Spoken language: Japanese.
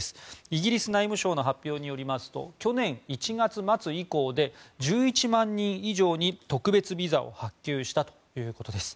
イギリス内務省の発表によりますと去年１月末以降で１１万人以上に特別ビザを発給したということです。